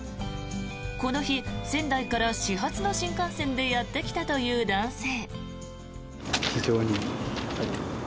この日、仙台から始発の新幹線でやってきたという男性。